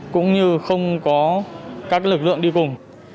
cũng như không có các lực lượng đi cùng